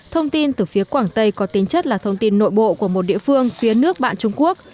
thông tin từ phía quảng tây có tính chất là thông tin nội bộ của một địa phương phía nước bạn trung quốc